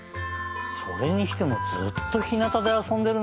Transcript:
それにしてもずっとひなたであそんでるなあ。